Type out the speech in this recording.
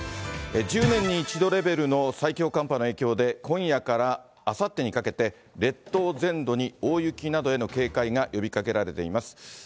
１０年に一度レベルの最強寒波の影響で、今夜からあさってにかけて列島全土に大雪などへの警戒が呼びかけられています。